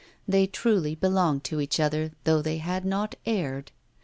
They truly belonged to each other, though they had not erred.